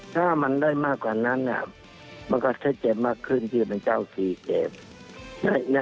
ถ้ามันได้มากกว่านั้นมันก็ชัดเจนมากขึ้นที่เป็นเจ้าสี่เกม